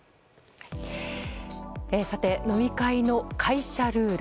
さて、飲み会の会社ルール。